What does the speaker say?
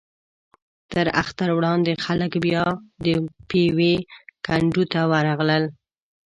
تر اختر وړاندې خلک بیا د پېوې کنډو ته ورغلل.